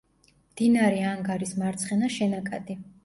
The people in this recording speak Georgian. მდინარე ანგარის მარცხენა შენაკადი.